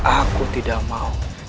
aku tidak mau